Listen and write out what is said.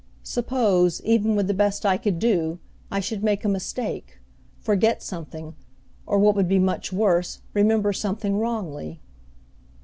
Suppose, even with the best I could do, I should make a mistake; forget something, or, what would be much worse, remember something wrongly!